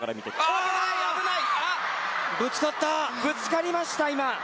ぶつかりました。